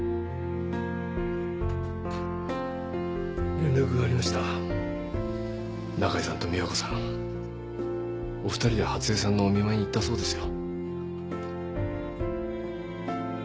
連絡がありました中井さんと美和子さんお２人で初枝さんのお見舞いに行ったそうですよ